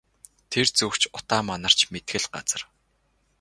Тэр зүг ч утаа манарч мэдэх л газар.